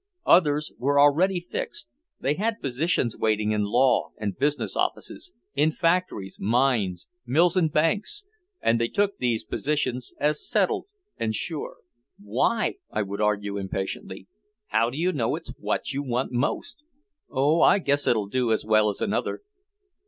Others were already fixed, they had positions waiting in law and business offices, in factories, mines, mills and banks, and they took these positions as settled and sure. "Why?" I would argue impatiently. "How do you know it's what you want most?" "Oh, I guess it'll do as well as another."